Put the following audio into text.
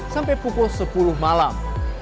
sampai pukul sepuluh malam